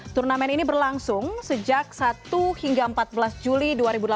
turnamen ini berlangsung sejak satu hingga empat belas juli dua ribu delapan belas